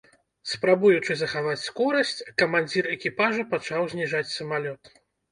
Спрабуючы захаваць скорасць, камандзір экіпажа пачаў зніжаць самалёт.